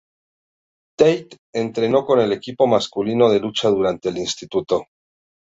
Tate entrenó con el equipo masculino de lucha durante el instituto.